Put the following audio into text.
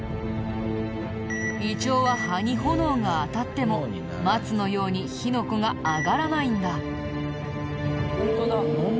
イチョウは葉に炎が当たってもマツのように火の粉が上がらないんだ。